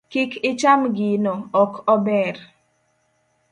Kik icham gino, ok ober.